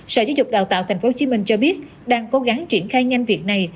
sở giáo dục đào tạo tp hcm cho biết đang cố gắng triển khai nhanh việc này